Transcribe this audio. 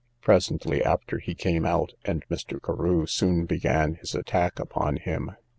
Presently after, he came out, and Mr. Carew soon began his attack upon him.